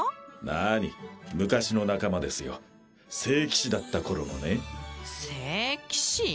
なあに昔の仲間ですよ聖騎士だった頃のねせいきし？